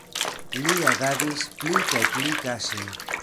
Li agadis pli kaj pli kaŝe.